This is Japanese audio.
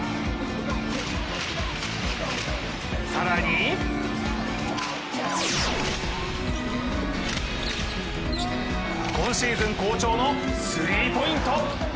更に今シーズン好調のスリーポイント。